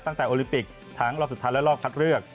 โอลิมปิกทั้งรอบสุดท้ายและรอบคัดเลือก